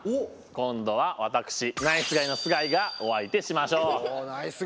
今度は私ナイスガイの須貝がお相手しましょう。